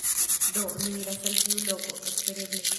Do, ni iras al tiu loko, espereble